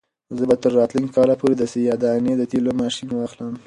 زه به تر راتلونکي کال پورې د سیاه دانې د تېلو ماشین واخلم.